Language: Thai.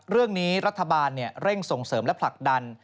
เรื่องนี้รัฐบาลเร่งส่งเสริมและผลักดัน